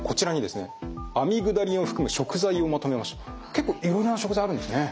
結構いろいろな食材あるんですね。